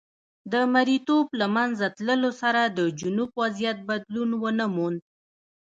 د مریتوب له منځه تلو سره د جنوب وضعیت بدلون ونه موند.